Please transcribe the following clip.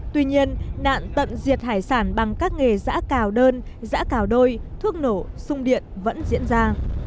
tuy nhiên nạn tận diệt hải sản bằng các nghề giã cào đơn giã cào đôi thuốc nổ sung điện vẫn diễn ra